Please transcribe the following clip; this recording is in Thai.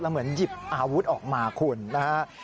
เหมือนหยิบอาวุธออกมาคุณนะฮะ